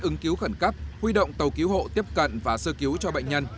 ứng cứu khẩn cấp huy động tàu cứu hộ tiếp cận và sơ cứu cho bệnh nhân